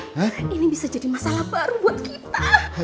aduh bambang ini bisa jadi masalah baru buat kita